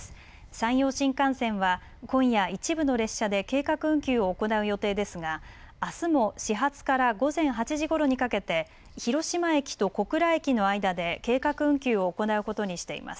山陽新幹線は今夜、一部の列車で計画運休を行う予定ですがあすも始発から午前８時ごろにかけて広島駅と小倉駅の間で計画運休を行うことにしています。